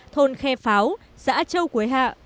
thôn khe pháo xã châu quế hạ